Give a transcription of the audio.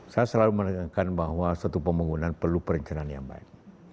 saya selalu menanyakan bahwa satu pembangunan perlu perencanaan yang baik